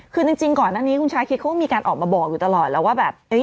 คือจริงก่อนหน้านี้คุณชาคิดเขาก็มีการออกมาบอกอยู่ตลอดแล้วว่าแบบ